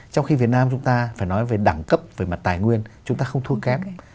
trong khi việt nam chúng ta phải nói về đẳng cấp về mặt tài nguyên chúng ta không thua kém